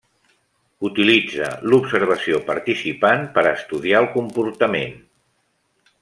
Utilitza l'observació participant per estudiar el comportament.